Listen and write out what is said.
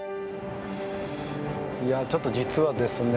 いやちょっと実はですね